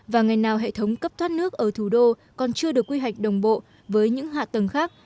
và ngày nào hệ thống cấp thoát nước ở thủ đô còn chưa được quy hoạch đồng bộ với những hạ tầng khác